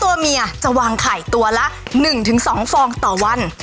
ตัวเมียจะวางไข่ตัวละ๑๒ฟองต่อวัน